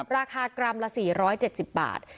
ราคากรัมละ๔๗๐บาท